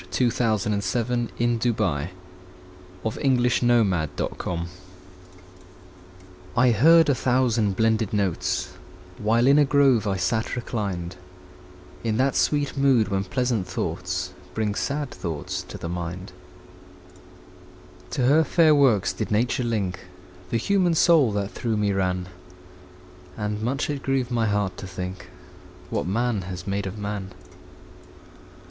William Wordsworth Lines Written in Early Spring I HEARD a thousand blended notes, While in a grove I sate reclined, In that sweet mood when pleasant thoughts Bring sad thoughts to the mind. To her fair works did Nature link The human soul that through me ran; And much it grieved my heart to think What man has made of man.